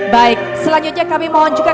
baik selanjutnya kami mohon juga